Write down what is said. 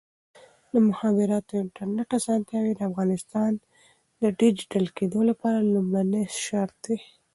د مخابراتو او انټرنیټ اسانتیاوې د افغانستان د ډیجیټل کېدو لپاره لومړنی شرط دی.